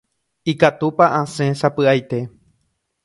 Ikatúpa asẽ sapy'aite.